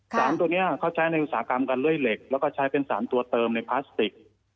สารตัวนี้เขาใช้ในอุตสาหกรรมการเลื่อยเหล็กแล้วก็ใช้เป็นสารตัวเติมในพลาสติก